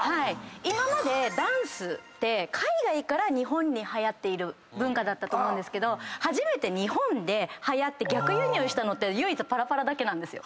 今までダンスって海外から日本にはやっている文化だったけど初めて日本ではやって逆輸入したのって唯一パラパラだけなんですよ。